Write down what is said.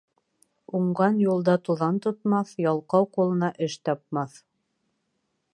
Уңған юлда туҙан тотмаҫ, ялҡау ҡулына эш тапмаҫ.